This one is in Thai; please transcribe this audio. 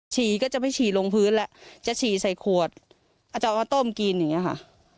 ฉี่ก็จะไม่ฉี่ลงพื้นแล้วจะฉี่ใส่ขวดอาจจะเอามาต้มกินอย่างนี้ค่ะ